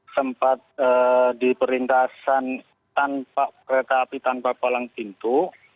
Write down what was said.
sempat di perintasan tanpa kereta api tanpa polang pintu